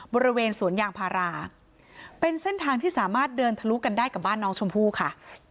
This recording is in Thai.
บริเวณสวนยางพาราเป็นเส้นทางที่สามารถเดินทะลุกันได้กับบ้านน้องชมพู่ค่ะ